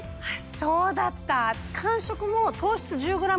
そうだった！